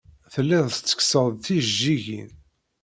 Telliḍ tettekkseḍ-d tijejjigin.